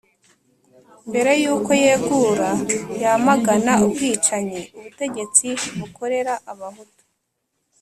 mbere yuko yegura yamagana ubwicanyi ubutegetsi bukorera abahutu.